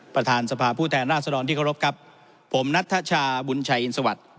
ประธานสภาผู้แทนราษฎรที่เคารพครับผมนัทชาบุญชัยอินสวัสดิ์